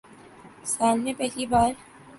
سال میں پہلی بار